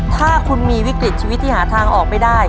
ถ้าคุณมีวิกฤตชีวิตที่หาทางออกไม่ได้